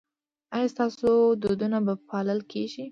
ایا ستاسو دودونه به پالل کیږي؟